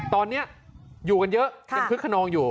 ตอนนี้อยู่กันเยอะยังคึกขนองอยู่